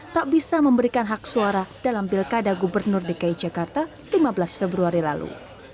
tak bisa memberikan hak suara dalam pilkada gubernur dki jakarta lima belas februari lalu